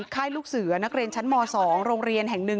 ค่ายลูกเสือนักเรียนชั้นม๒โรงเรียนแห่งหนึ่ง